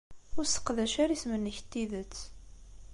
Ur sseqdac ara isem-nnek n tidet.